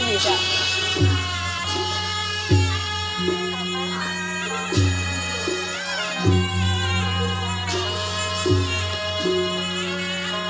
แม่งเมื่อเบอร์๒นะจะดูดีเลยกว่าคนอื่นนะ